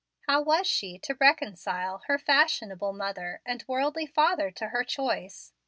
How was she to reconcile her fashionable mother and worldly father to her choice?